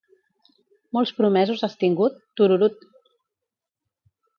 Molts promesos has tingut? Tururut.